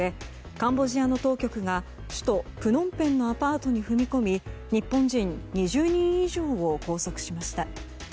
カンボジアの当局が首都プノンペンのアパートに踏み込み日本人２０人以上を拘束しました。